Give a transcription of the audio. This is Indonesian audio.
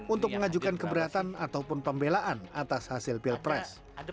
untuk mengajukan keberatan ataupun pembelaan atas hasil pilpres